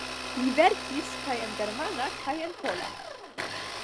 Li verkis kaj en germana kaj en pola.